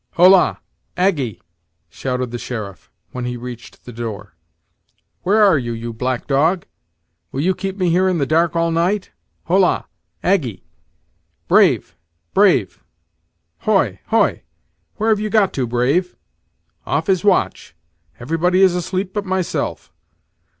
"Holla! Aggy!" shouted the sheriff, when he reached the door; "where are you, you black dog? will you keep me here in the dark all night? Holla! Aggy! Brave! Brave! hoy, hoy where have you got to, Brave? Off his watch! Everybody is asleep but myself!